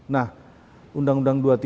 nah undang undang dua puluh tiga